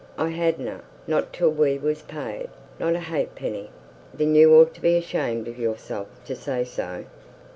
"I hadna, not till we was paid, not a ha'p'ny." "Then you ought to be ashamed of yourself to say so."